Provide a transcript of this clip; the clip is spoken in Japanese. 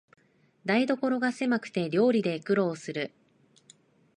台所がせまくて料理で苦労する